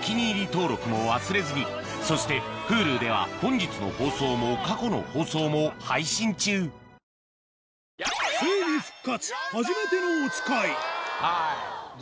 登録も忘れずにそしてＨｕｌｕでは本日の放送も過去の放送も配信中はぁっ！！